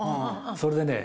それでね